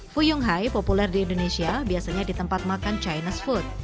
fuyung hai populer di indonesia biasanya di tempat makan chinese food